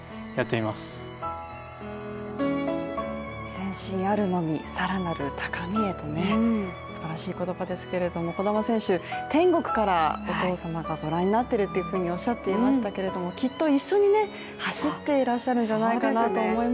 「前進あるのみ、さらなる高みへ！」とねすばらしい言葉ですけれども児玉選手、天国からお父様がご覧になっているとおっしゃっていましたけれどもきっと一緒に走っていらっしゃるんじゃないかなと思います。